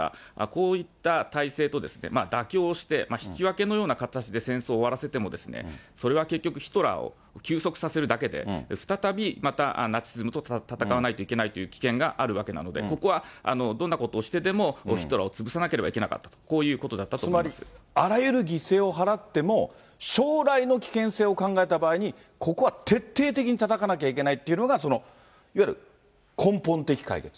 こういった体制と妥協をして引き分けのような形で戦争を終わらせても、それは結局、ヒトラーを休息させるだけで、再びまたナチズムと戦わないといけないという危険があるわけなので、ここはどんなことをしてでも、ヒトラーを潰さなければいけなかった、こういうことだったと思いつまりあらゆる犠牲を払っても、将来の危険性を考えた場合に、ここは徹底的にたたかなきゃいけないというのが、そのいわゆる根本的解決。